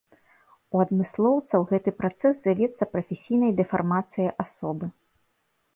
У адмыслоўцаў гэты працэс завецца прафесійнай дэфармацыяй асобы.